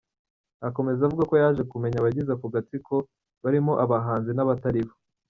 Akomeza avuga ko yaje kumenya abagize ako gatsiko barimo abahanzi n’abataribo.